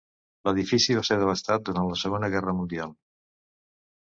L'edifici va ser devastat durant la Segona Guerra Mundial.